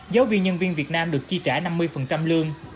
giáo viên nhân viên việt nam được chi trả năm mươi lương